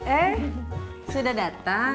eh sudah datang